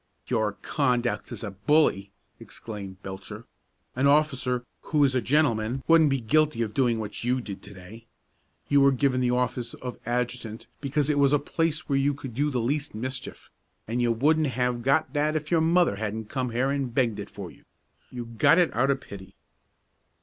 "Your conduct as a bully!" exclaimed Belcher. "An officer who is a gentleman wouldn't be guilty of doing what you did to day. You were given the office of adjutant because it was a place where you could do the least mischief, and you wouldn't have got that if your mother hadn't come here and begged it for you. You got it out of pity."